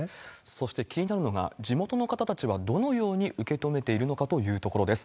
そして気になるのが、地元の方たちはどのように受け止めているのかというところです。